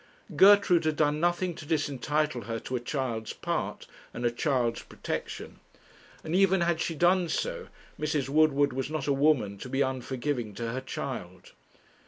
Gertrude had done nothing to disentitle her to a child's part, and a child's protection; and even had she done so, Mrs. Woodward was not a woman to be unforgiving to her child.